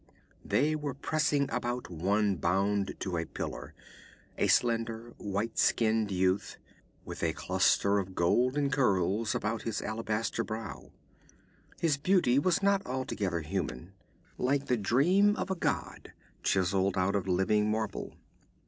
They were pressing about one bound to a pillar: a slender white skinned youth, with a cluster of golden curls about his alabaster brow. His beauty was not altogether human like the dream of a god, chiseled out of living marble.